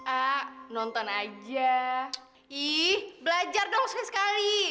ah nonton aja ih belajar dong sekali sekali